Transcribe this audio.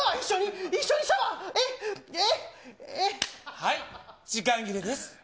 はい、時間切れです。